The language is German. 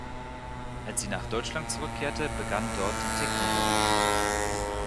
Als sie nach Deutschland zurückkehrte, begann dort die „Techno-Welle“.